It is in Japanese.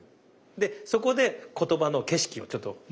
でそこで言葉の景色をちょっと向きを変える。